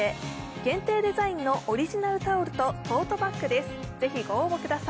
限定デザインのオリジナルタオルとトートバッグです。